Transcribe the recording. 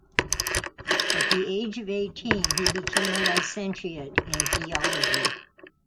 At the age of eighteen, he became a licentiate in theology.